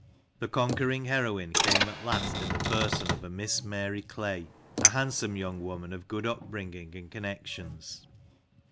The conquering heroine came at last in the person of a Miss Mary Clay, a handsome young woman of good up 246 LANCASHIRE WORTHIES. bringing and connections.